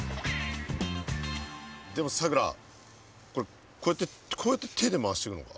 でもさくらこれこうやって手で回していくのか？